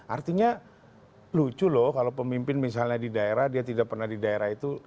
artinya lucu loh kalau pemimpin misalnya di daerah dia tidak pernah di daerah itu